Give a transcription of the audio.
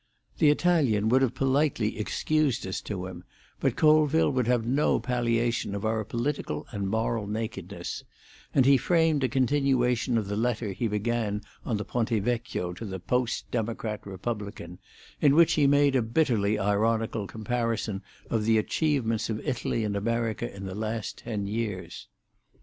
The Italian would have politely excused us to him, but Colville would have no palliation of our political and moral nakedness; and he framed a continuation of the letter he began on the Ponte Vecchio to the Post Democrat Republican, in which he made a bitterly ironical comparison of the achievements of Italy and America in the last ten years.